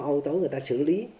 ôi tối người ta xử lý